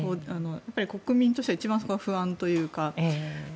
やはり、国民としてはそこが一番不安というか。